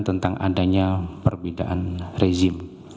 tentang adanya perbedaan rezim